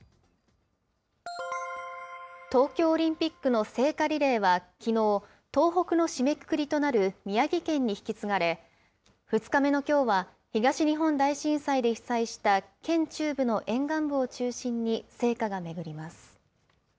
東京オリンピックの聖火リレーはきのう、東北の締めくくりとなる宮城県に引き継がれ、２日目のきょうは、東日本大震災で被災した県中部の沿岸部を中心に聖火が巡ります。